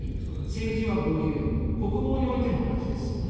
政治は五流、国防においても同じですよね。